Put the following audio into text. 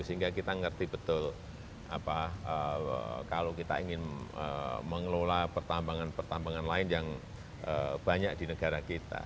sehingga kita ngerti betul kalau kita ingin mengelola pertambangan pertambangan lain yang banyak di negara kita